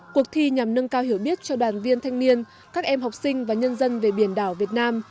cuộc thi nhằm nâng cao hiểu biết cho đoàn viên thanh niên các em học sinh và nhân dân về biển đảo việt nam